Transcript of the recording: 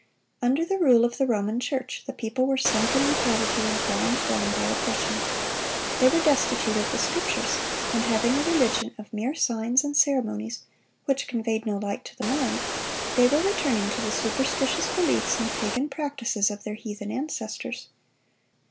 Under the rule of the Roman Church, the people were sunken in poverty, and ground down by oppression. They were destitute of the Scriptures; and having a religion of mere signs and ceremonies, which conveyed no light to the mind, they were returning to the superstitious beliefs and pagan practices of their heathen ancestors.